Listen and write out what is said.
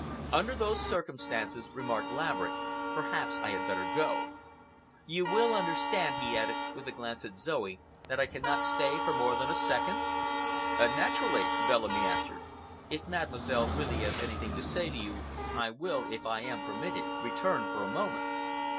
"Under those circumstances," remarked Laverick, "perhaps I had better go. You will understand," he added, with a glance at Zoe, "that I cannot stay for more than a second." "Naturally," Bellamy answered. "If Mademoiselle really has anything to say to you, I will, if I am permitted, return for a moment."